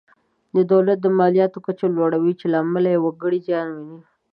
دولت د مالیاتو کچه لوړوي چې له امله یې وګړي زیان ویني.